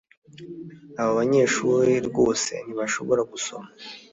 Abo banyeshuri rwose ntibashobora gusoma